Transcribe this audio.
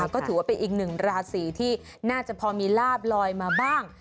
ก็ถือว่าเป็นอีกหนึ่งราศีที่น่าจะพอมีลาบลอยมาบ้าง